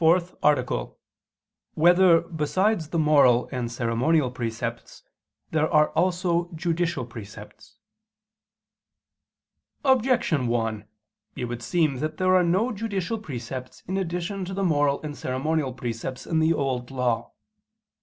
________________________ FOURTH ARTICLE [I II, Q. 99, Art. 4] Whether, Besides the Moral and Ceremonial Precepts, There Are Also Judicial Precepts? Objection 1: It would seem that there are no judicial precepts in addition to the moral and ceremonial precepts in the Old Law.